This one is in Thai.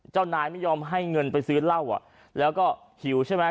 เจ้านายไม่ยอมให้เงินไปซื้อเหล้าอ่ะแล้วก็หิวใช่ไหม